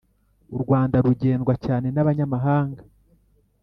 U Rwanda rugendwa cyane nabanyamahanga